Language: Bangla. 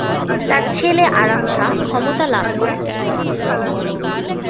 তার ছেলে আরাম শাহ ক্ষমতা লাভ করেন।